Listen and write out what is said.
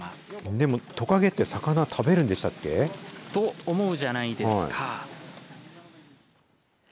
でも、とかげって魚、食べるでしたっけ。と思うじゃないですか。